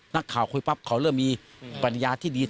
นักข่าวคุยปั๊บเขาเริ่มมีปัญญาที่ดี